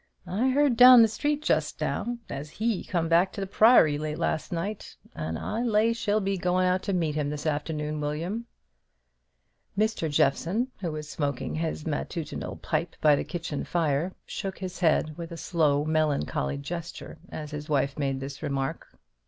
"I heard down the street just now, as he come back to the Priory late last night, and I'll lay she'll be goin' out to meet him this afternoon, William." Mr. Jeffson, who was smoking his matutinal pipe by the kitchen fire, shook his head with a slow melancholy gesture as his wife made this remark.